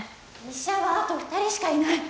医者はあと２人しかいない。